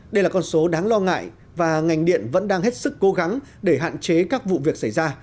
đây là con số đáng lo ngại và ngành điện vẫn đang hết sức cố gắng để hạn chế các vụ việc xảy ra